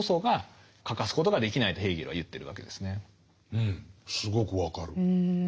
うんすごく分かる。